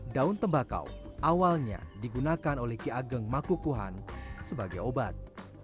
daun tembakau awalnya digunakan oleh ki ageng makukuhan sebagai obat